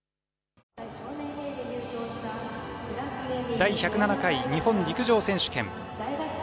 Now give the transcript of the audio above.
第１０７回日本陸上選手権。